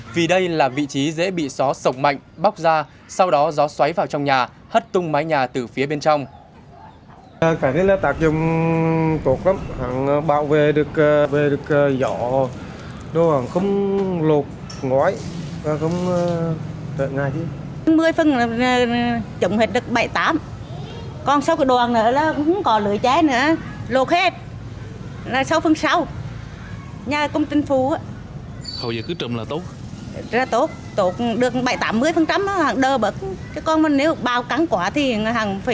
vì đây là vị trí dễ bị gió sổng mạnh bóc ra sau đó gió xoáy vào trong nhà hất tung mái nhà từ phía bên trong